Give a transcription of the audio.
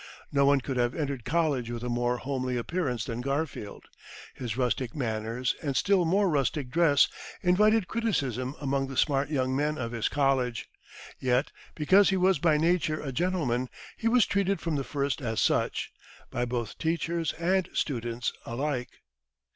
No one could have entered college with a more homely appearance than Garfield. His rustic manners and still more rustic dress invited criticism among the smart young men of his college, yet because he was by nature a gentleman, he was treated from the first as such, by both teachers and students alike.